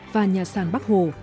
và nhà sàn bắc hồ